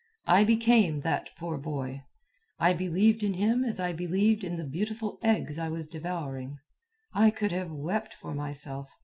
I became that poor boy. I believed in him as I believed in the beautiful eggs I was devouring. I could have wept for myself.